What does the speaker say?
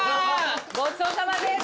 ごちそうさまです。